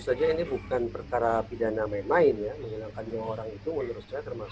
saja ini bukan perkara pidana main main ya mengenalkan orang itu menurut saya termasuk